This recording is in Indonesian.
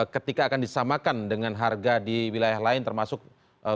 ketika akan disamakan dengan harga di wilayah lain termasuk